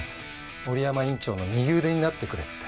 森山院長の右腕になってくれって。